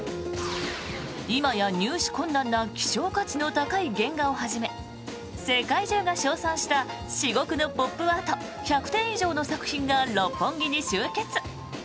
今や入手困難な希少価値の高い原画をはじめ世界中が称賛した至極のポップアート１００点以上の作品が六本木に集結！